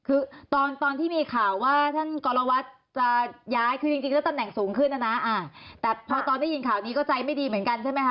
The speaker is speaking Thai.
คือตอนที่มีข่าวว่าท่านกรวัตรจะย้ายคือจริงแล้วตำแหน่งสูงขึ้นนะนะแต่พอตอนได้ยินข่าวนี้ก็ใจไม่ดีเหมือนกันใช่ไหมคะ